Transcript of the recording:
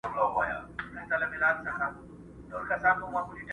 زه قاسم یار چي تل ډېوه ستایمه،